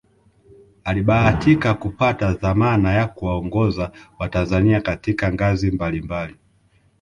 Alibahatika kupata dhamana ya kuwaongoza watanzania katika ngazi mbali mbali